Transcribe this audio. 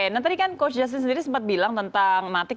nah tadi coach justin sendiri sempat bilang tentang mata